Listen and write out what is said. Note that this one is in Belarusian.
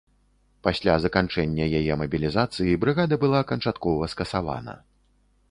Пасля заканчэння яе мабілізацыі, брыгада была канчаткова скасавана.